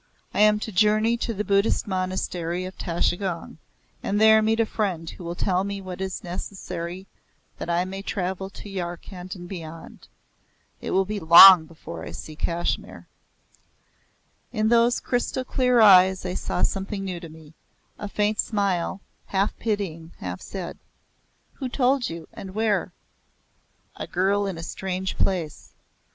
I am to journey to the Buddhist Monastery of Tashigong, and there meet a friend who will tell me what is necessary that I may travel to Yarkhand and beyond. It will be long before I see Kashmir." In those crystal clear eyes I saw a something new to me a faint smile, half pitying, half sad; "Who told you, and where?" "A girl in a strange place.